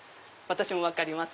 私も分かります。